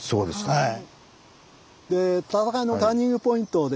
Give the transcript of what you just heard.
はい。